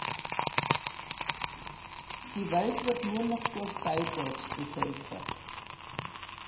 Die Welt wird nur noch durch Cyborgs bevölkert.